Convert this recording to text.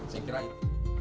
saya kira itu